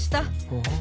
ほう。